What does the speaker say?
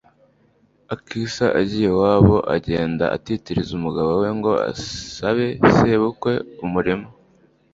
akisa agiye iwabo, agenda atitiriza umugabo we ngo asabe sebukwe umurima